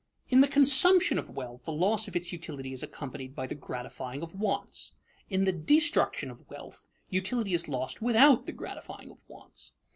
_ In the consumption of wealth the loss of its utility is accompanied by the gratifying of wants; in the destruction of wealth utility is lost without the gratifying of wants.